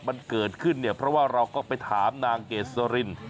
มันเกิดขึ้นเนี่ยเพราะว่าเราก็ไปถามนางเกษริน